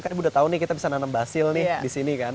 kan ibu udah tau nih kita bisa nanam basil nih di sini kan